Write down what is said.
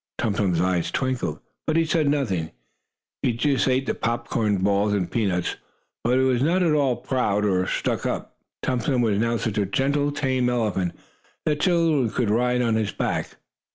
Tum Tum's eyes twinkled, but he said nothing. He just ate the popcorn balls and peanuts. But he was not at all proud or stuck up. Tum Tum was now such a gentle and tame elephant, that children could ride on his back.